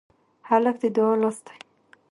هلک د دعا لاس دی.